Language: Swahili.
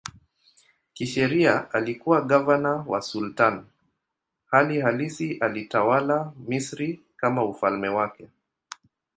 Kisheria alikuwa gavana wa sultani, hali halisi alitawala Misri kama ufalme wake.